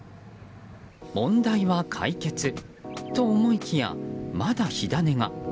問題は解決と思いきやまだ火種が。